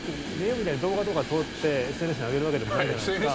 今みたいに動画とか撮ってＳＮＳに上げるわけでもないじゃないですか。